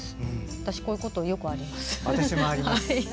私、こういうことよくあります。